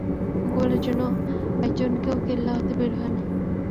মোকাবিলার জন্য একজনও কেল্লা হতে বের হয় না।